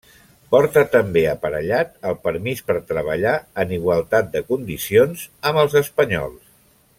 Porta també aparellat el permís per treballar en igualtat de condicions amb els espanyols.